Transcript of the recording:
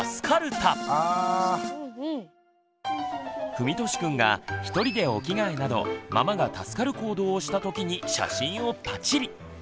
ふみとしくんが一人でお着替えなどママが助かる行動をしたときに写真をパチリ！